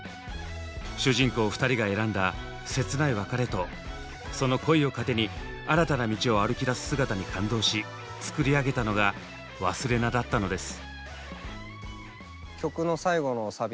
主人公２人が選んだ切ない別れとその恋を糧に新たな道を歩きだす姿に感動し作り上げたのが「勿忘」だったのです。